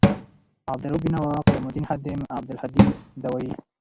عبدا لروؤف بینوا، قیام الدین خادم، عبدالهادي داوي